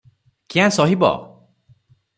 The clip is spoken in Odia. କ୍ୟାଁ ସହିବ?